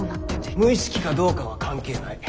無意識かどうかは関係ない。